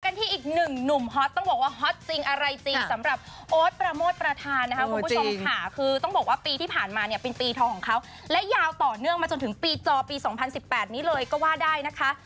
ที่อีกหนึ่งหนุ่มฮอตต้องบอกว่าฮอตจริงอะไรจริงสำหรับโอ๊ตประโมทประธานนะคะคุณผู้ชมค่ะคือต้องบอกว่าปีที่ผ่านมาเนี่ยเป็นปีทองของเขาและยาวต่อเนื่องมาจนถึงปีจอปี๒๐๑๘นี้เลยก็ว่าได้นะคะ